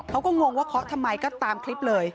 เขาก็งงว่าขอทำไมก็ตามคลิปเลย